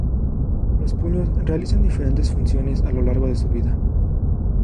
Los puños realizan diferentes funciones a lo largo de su vida.